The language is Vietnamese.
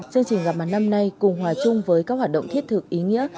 chương trình gặp mặt năm nay cùng hòa chung với các hoạt động thiết thực ý nghĩa